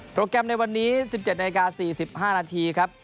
แกรมในวันนี้๑๗นาที๔๕นาทีครับ